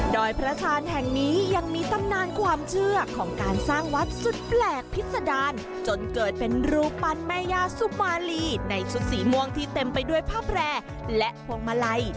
โดยพระธานแห่งนี้ยังมีตำนานความเชื่อของการสร้างวัดสุดแปลกพิษดารจนเกิดเป็นรูปปั้นแม่ย่าสุมาลีในชุดสีม่วงที่เต็มไปด้วยผ้าแพร่และพวงมาลัย